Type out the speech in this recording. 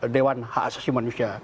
dewan hak asasi manusia